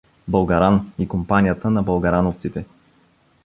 „Българан“ и компанията на българановците.